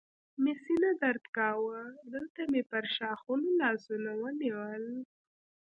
مې سینه درد کاوه، دلته مې پر ښاخونو لاسونه ونیول.